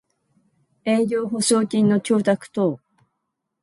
営業保証金の供託等